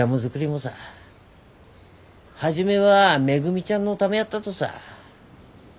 もさ初めはめぐみちゃんのためやったとさ。